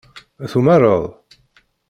Tumared?